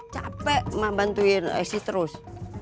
capek ma bantuin esy terus